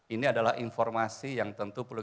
ini adalah informasi yang tentu perlu